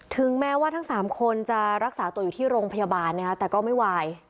ถึงแม้ว่าทั้ง๓คนจะรักษาตัวอยู่ที่โรงพยาบาลนะคะแต่ก็ไม่วาย